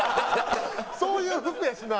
そういう服やしな。